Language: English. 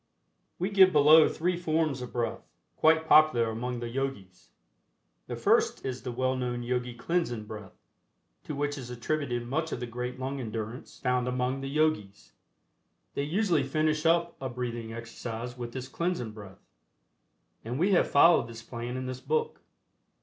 We give below three forms of breath, quite popular among the Yogis. The first is the well known Yogi Cleansing Breath, to which is attributed much of the great lung endurance found among the Yogis. They usually finish up a breathing exercise with this Cleansing Breath, and we have followed this plan in this book.